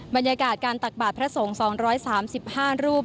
บรรยากาศการตักบาทพระสงฆ์๒๓๕รูป